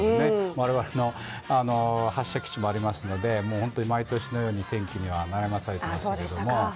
我々の発射基地もありますので、毎年のように天気には悩まされていましたけれども。